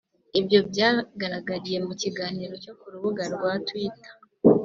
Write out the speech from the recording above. Ibyo byagaragariye mu kiganiro cyo ku rubuga rwa twitter